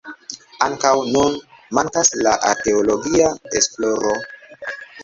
Ankaŭ nun mankas la arkeologia esploro.